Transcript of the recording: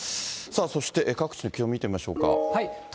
そして、各地の気温見てみましょうか。